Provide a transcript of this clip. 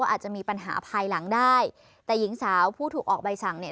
อาจจะมีปัญหาภายหลังได้แต่หญิงสาวผู้ถูกออกใบสั่งเนี่ย